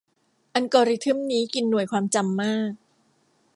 อัลกอริทึมนี้กินหน่วยความจำมาก